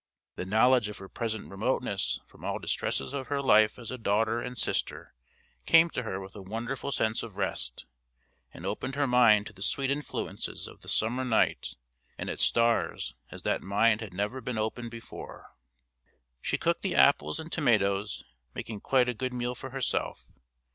The knowledge of her present remoteness from all distresses of her life as a daughter and sister came to her with a wonderful sense of rest, and opened her mind to the sweet influences of the summer night and its stars as that mind had never been opened before. She cooked the apples and tomatoes, making quite a good meal for herself.